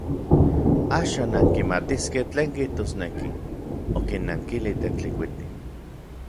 Axan nankimatiskej tlen kijtosneki, okinnankili Tetlikuiti.